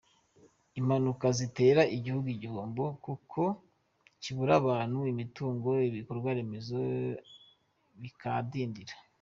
Impanuka zitera igihugu igihombo kuko kibura abantu, imitungo n’ibikorwa remeza bikadindira.